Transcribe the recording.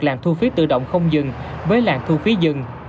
làng thu phí tự động không dừng với làng thu phí dừng